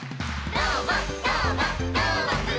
「どーもどーもどーもくん！」